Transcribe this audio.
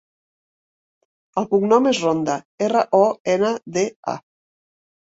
El cognom és Ronda: erra, o, ena, de, a.